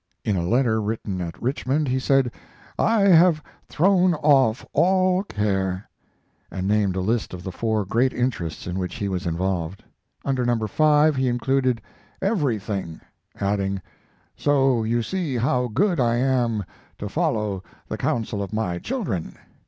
In a letter written at Richmond he said, "I have thrown off all care," and named a list of the four great interests in which he was involved. Under "number 5," he included "everything," adding, "so you see how good I am to follow the counsel of my children."